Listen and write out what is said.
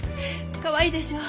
かわいいでしょう？